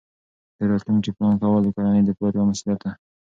د راتلونکي پلان کول د کورنۍ د پلار یوه مسؤلیت ده.